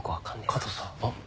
加藤さん。